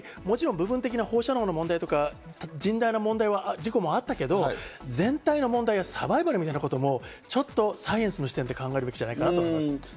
部分的な放射能の問題とか、甚大な問題、事故もあったけど、全体の問題はサバイバルみたいなこともちょっとサイエンスの視点で考えるべきじゃないかと思います。